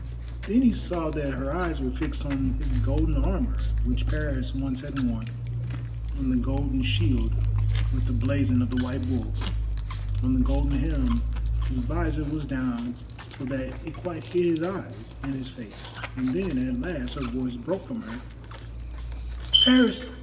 Then he saw that her eyes were fixed on his golden armour which Paris once had worn, on the golden shield with the blazon of the White Bull, on the golden helm, whose visor was down so that it quite hid his eyes and his face—and then at last her voice broke from her: "_Paris!